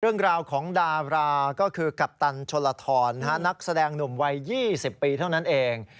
เรื่องราวของดาราก็คือกัปตันชนลทรนักแสดงหนุ่มวัย๒๐ปีเท่านั้นเอง